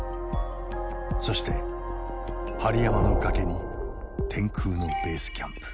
そして針山の崖に天空のベースキャンプ。